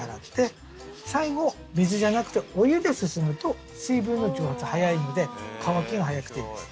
最後水じゃなくてお湯ですすぐと水分の蒸発早いので乾きが早くていいです。